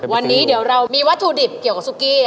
วันนี้เดี๋ยวเรามีวัตถุดิบเกี่ยวกับซุกี้